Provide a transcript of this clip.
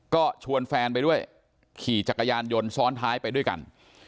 ก็ชวนแฟนไปด้วยขี่จักรยานยนต์ซ้อนท้ายไปด้วยกัน